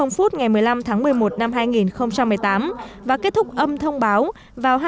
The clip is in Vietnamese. ngày một mươi năm tháng một mươi một năm hai nghìn một mươi tám và kết thúc âm thông báo vào hai mươi ba h năm mươi chín phút